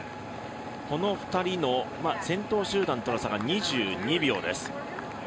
この２人との先頭との差が２２秒です。